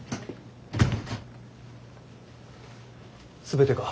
全てか？